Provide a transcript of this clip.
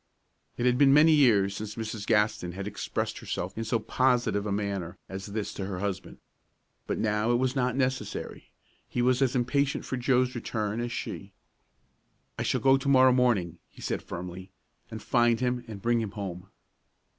It had been many years since Mrs. Gaston had expressed herself in so positive a manner as this to her husband. But now it was not necessary. He was as impatient for Joe's return as she. "I shall go to morrow morning," he said firmly, "and find him and bring him home."